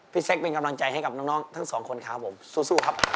พี่แซ็คเป็นกำลังใจให้กับน้องทั้งสองคนค่ะสู้ครับ